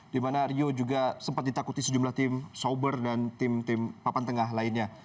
di mana rio juga sempat ditakuti sejumlah tim sober dan tim tim papan tengah lainnya